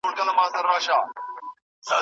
د مېوو جوس د بدن د تندي لپاره ښه دی.